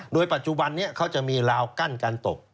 โดยปัจจุบันนี้เขาจะมีราวกั้นการตก